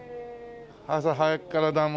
朝早くからどうも。